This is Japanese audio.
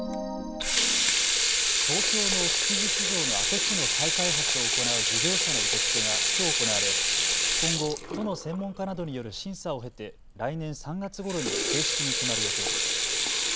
東京の築地市場の跡地の再開発を行う事業者の受け付けがきょう行われ今後、都の専門家などによる審査を経て来年３月ごろに正式に決まる予定です。